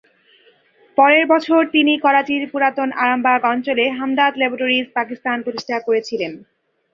পরের বছর তিনি করাচির পুরাতন আরামবাগ অঞ্চলে হামদর্দ ল্যাবরেটরিজ পাকিস্তান প্রতিষ্ঠা করেছিলেন।